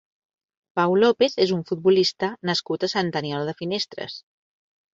Pau López és un futbolista nascut a Sant Aniol de Finestres.